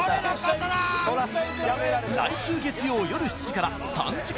来週月曜夜７時から３時間